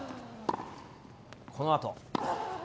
このあと。